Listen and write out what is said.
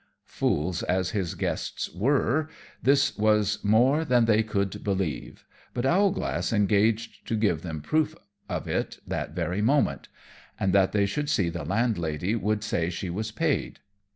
Fools as his guests were, this was more than they could believe; but Owlglass engaged to give them proof of it that very moment, and that they should see the landlady would say she was paid.